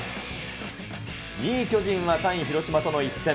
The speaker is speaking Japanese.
２位巨人は３位広島との一戦。